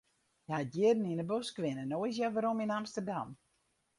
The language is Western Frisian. Hja hat jierren yn de bosk wenne, no is hja werom yn Amsterdam.